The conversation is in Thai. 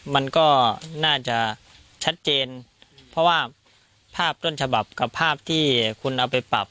มันก็น่าจะชัดเจนเพราะว่าภาพต้นฉบับกับภาพที่คุณเอาไปปรับ